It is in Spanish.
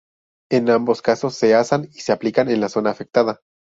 En ambos casos se asan y se aplican en la zona afectada.